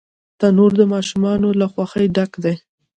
تنور د ماشومانو له خوښۍ ډک دی